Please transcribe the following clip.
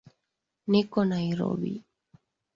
Niko Nairobi